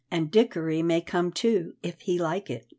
And Dickory may come too, if he like it."